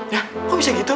ya kok bisa gitu